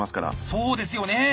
そうですよね。